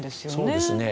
そうですね。